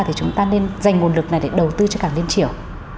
thì chúng ta nên dành nguồn lực này để đầu tư cho cảng liên triều